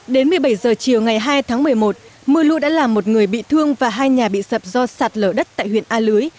đến một mươi bảy h chiều ngày hai tháng một mươi một mưa lũ đã làm một người bị thương và hai nhà bị sập do sạt lở đất tại huyện a lưới